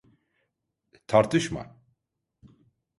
Tartışma!